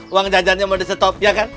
uang jajannya mau di stop ya kan